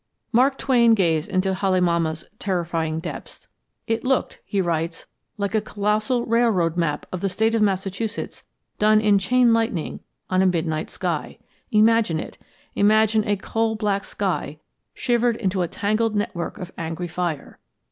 Mark Twain gazed into Halemaumau's terrifying depths. "It looked," he writes, "like a colossal railroad map of the State of Massachusetts done in chain lightning on a midnight sky. Imagine it imagine a coal black sky shivered into a tangled network of angry fire!